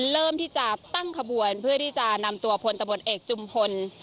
เริ่มที่จะตั้งขบวนเพื่อที่จะนำตัวพลตำรวจเอกจุมพล